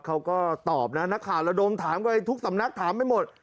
เขาก็ตอบนะนักข่าวระดมถามไปทุกสำนักถามไปหมด